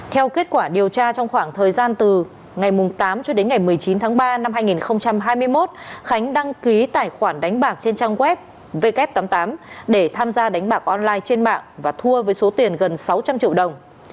theo kết quả điều tra trong khoảng thời gian từ ngày tám cho đến ngày một mươi chín tháng ba năm hai nghìn hai mươi một khánh đăng ký tài khoản đánh bạc trên trang web w tám mươi tám để tham gia đánh bạc online trên mạng và thua với số tiền gần sáu trăm linh triệu đồng